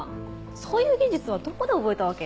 そういう技術はどこで覚えたわけ？